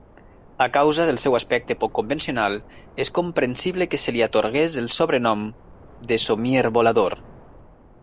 A causa del seu aspecte poc convencional, és comprensible que se li atorgués el sobrenom de "Somier volador".